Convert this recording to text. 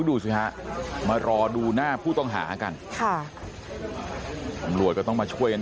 โอ้โหดูซิฮะมารอดูหน้าผู้ต้องหากัน